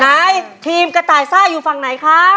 นายทีมกระต่ายซ่าอยู่ฝั่งไหนคะ